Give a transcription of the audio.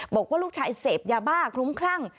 บอกว่าลูกชายเสพยาบ้าคลุ้มคลั่ง